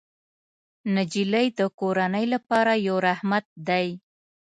نجلۍ د کورنۍ لپاره یو رحمت دی.